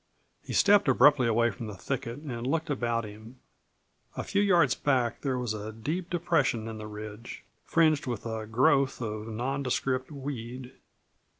He stepped abruptly away from the thicket and looked about him. A few yards back there was a deep depression in the ridge, fringed with a growth of nondescript weed.